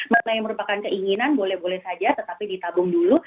mana yang merupakan keinginan boleh boleh saja tetapi ditabung dulu